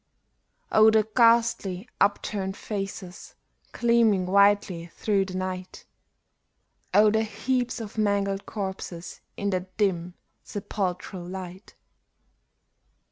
Oh, the ghastly, upturned faces, gleaming whitely through the night ! Oh, the heaps of mangled corses in that dim, sepulchral light